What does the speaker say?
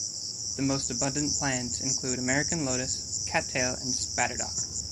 The most abundant plants include American lotus, cattail, and spatterdock.